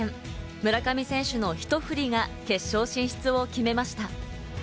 村上選手のひと振りが決勝進出を決めました。